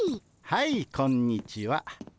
はいこんにちは。